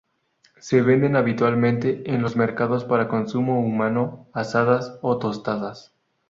Se venden habitualmente en los mercados para consumo humano, asadas o tostadas.